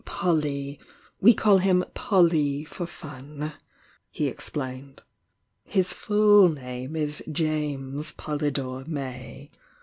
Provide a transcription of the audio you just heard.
"Polly— we call him Polly for fun," he explained. "His full name is James Polydore May.